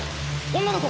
女の子！？